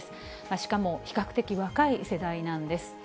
しかも比較的若い世代なんです。